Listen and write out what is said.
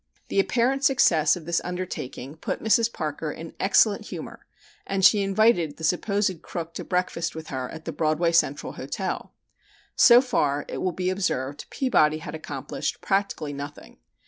The apparent success of this undertaking put Mrs. Parker in excellent humor and she invited the supposed crook to breakfast with her at the Broadway Central Hotel. So far, it will be observed, Peabody had accomplished practically nothing.